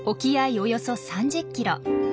およそ３０キロ。